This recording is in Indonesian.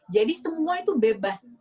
jadi semua itu bebas